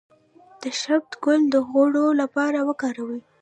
د شبت ګل د غوړ لپاره وکاروئ